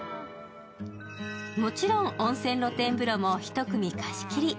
もちろん温泉露天風呂も１組貸し切り。